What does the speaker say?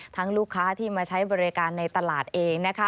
ลูกค้าที่มาใช้บริการในตลาดเองนะคะ